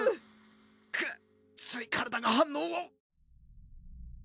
クッつい体が反応を！